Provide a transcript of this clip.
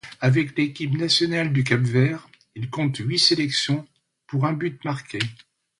Avec l'équipe nationale du Cap-Vert, il compte huit sélections pour un but marqué.